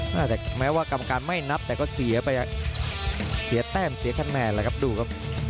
แต่แม้ว่ากรรมการไม่นับแต่ก็เสียไปเสียแต้มเสียคะแนนแล้วครับดูครับ